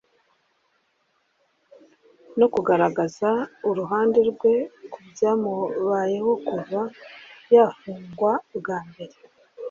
no kugaragaza uruhande rwe ku byamubayeho kuva yafungwa bwa mbere